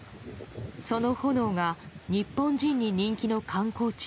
その炎が日本人に人気の観光地